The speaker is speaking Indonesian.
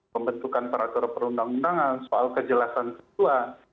pembentukan peraturan perundang undangan soal kejelasan ketua